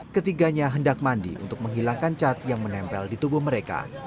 ketiganya hendak mandi untuk menghilangkan cat yang menempel di tubuh mereka